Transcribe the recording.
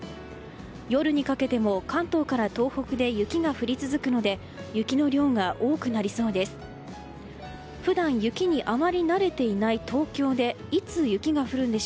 夜にかけても関東から東北で雪が降り続くので雪の量が多くなりそうです。